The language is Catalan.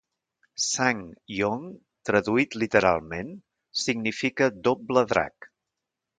"SsangYong", traduït literalment, significa "Doble Drac".